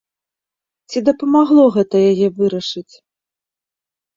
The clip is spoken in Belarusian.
Ці дапамагло гэта яе вырашыць?